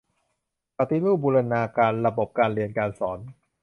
ปฏิรูปบูรณาการระบบการเรียนการสอน